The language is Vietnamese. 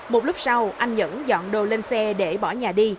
một lúc sau anh nhẫn dọn đồ lên xe để bỏ nhà đi